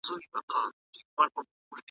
فعال چاپېريال ماشوم ته تمرکز زیاتوي.